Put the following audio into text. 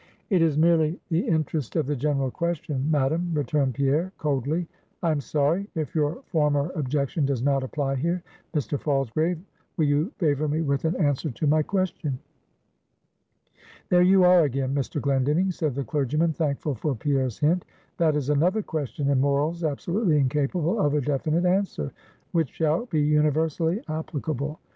"It is merely the interest of the general question, Madam," returned Pierre, coldly. "I am sorry. If your former objection does not apply here, Mr. Falsgrave, will you favor me with an answer to my question?" "There you are again, Mr. Glendinning," said the clergyman, thankful for Pierre's hint; "that is another question in morals absolutely incapable of a definite answer, which shall be universally applicable."